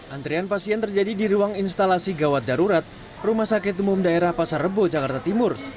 antrian pasien terjadi di ruang instalasi gawat darurat rumah sakit umum daerah pasar rebo jakarta timur